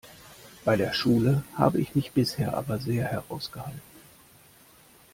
Bei der Schule habe ich mich bisher aber sehr heraus gehalten.